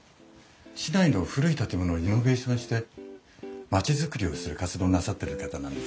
市内の古い建物をリノベーションして町づくりをする活動をなさってる方なんですよ。